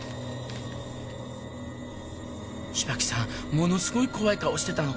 ものすごい怖い顔してたの。